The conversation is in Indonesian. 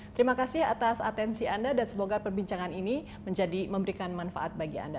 terima kasih atas atensi anda dan semoga perbincangan ini menjadi memberikan manfaat bagi anda